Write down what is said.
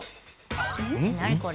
何これ？